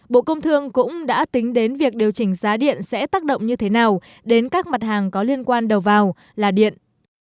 bộ công thương cũng đã tính đến việc điều chỉnh giá điện sẽ tác động như thế nào đến các mặt hàng có liên quan đầu vào là điện